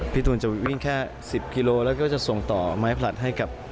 ตูนจะวิ่งแค่๑๐กิโลแล้วก็จะส่งต่อไม้ผลัดให้กับ